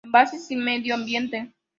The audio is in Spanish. Envases y medio ambiente.